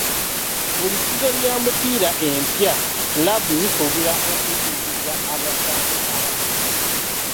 Buli sizoni ya mupiira empya, kiraabu zisuubirwa okuyingiza abasambi abapya.